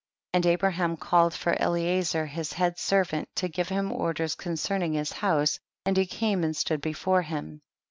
29. And Abraham called for Eliezer his head servant, to give him orders concerning his house, and he came and stood before him.